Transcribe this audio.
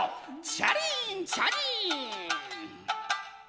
チャリーンチャリーン！